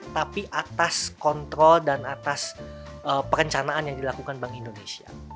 tapi atas kontrol dan atas perencanaan yang dilakukan bank indonesia